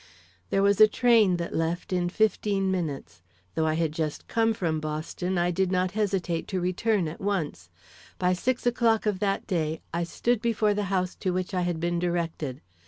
There was a train that left in fifteen minutes. Though I had just come from Boston, I did not hesitate to return at once. By six o'clock of that day I stood before the house to which I had been directed.